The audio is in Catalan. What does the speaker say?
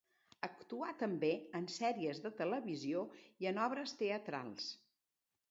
Actuà també en sèries de televisió i en obres teatrals.